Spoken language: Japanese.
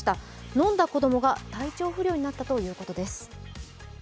飲んだ子供が体調不良になったということです。